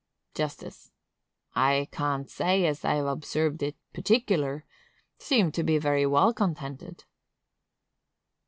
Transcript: Justice. I can't say as I've observed it particular. Seem to be very well contented.